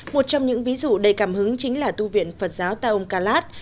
một trong những ví dụ đầy cảm hứng chính là tu viện phật giáo taom kalat